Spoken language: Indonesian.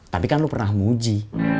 tapi kan lu pernah muji